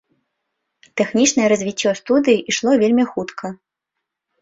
Тэхнічнае развіццё студыі ішло вельмі хутка.